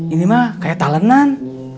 ini mah kaya talenan